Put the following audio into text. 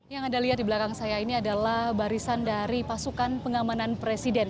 yang anda lihat di belakang saya ini adalah barisan dari pasukan pengamanan presiden